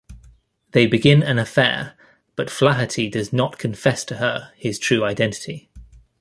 They begin an affair, but Flaherty does not confess to her his true identity.